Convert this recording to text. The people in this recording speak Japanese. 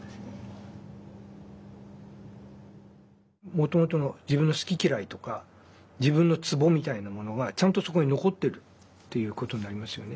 もともとの自分の好き嫌いとか自分のツボみたいなものがちゃんとそこに残ってるっていうことになりますよね。